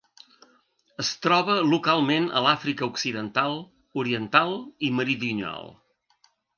Es troba localment a l'Àfrica Occidental, Oriental i Meridional.